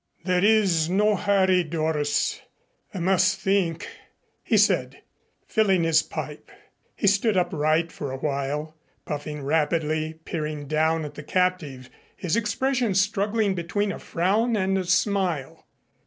"There is no hurry, Doris. I must think," he said, filling his pipe. He stood upright for a while, puffing rapidly, peering down at the captive, his expression struggling between a frown and a smile.